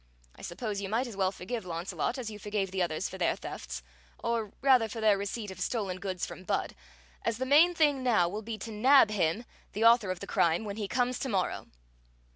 I suppose you might as well forgive Launcelot as you forgave the others for their thefts, or rather for their receipt of stolen goods from Budd, as the main thing now will be to nab him, the author of the crime, when he comes to morrow."